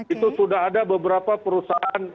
itu sudah ada beberapa perusahaan